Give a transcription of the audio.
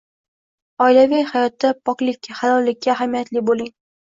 Oilaviy hayotda poklikka, halollikka ahamiyatli bo‘ling.